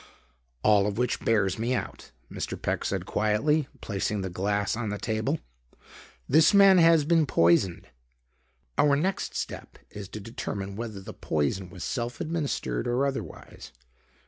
"All of which bears me out," Mr. Peck said quietly, placing the glass on the table. "This man has been poisoned. Our next step is to determine whether the poison was self administered or otherwise.